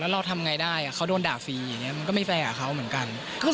เราทำไงได้เขาโดนด่าฟรีอย่างนี้มันก็ไม่แฟร์กับเขาเหมือนกัน